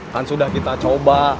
kan sudah kita coba